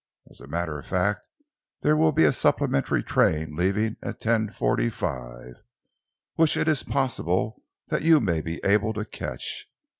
As a matter of fact, there will be a supplementary train leaving at ten forty five, which it is possible that you may be able to catch.